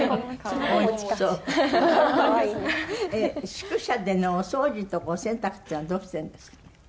宿舎でのお掃除とかお洗濯っていうのはどうしてるんですか？